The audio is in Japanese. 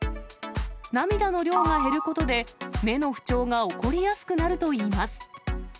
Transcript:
涙の量が減ることで、目の不調が起こりやすくなるといいます。